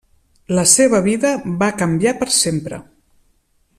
La seva vida va canviar per sempre.